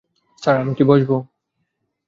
Sir, আমি কি বসব?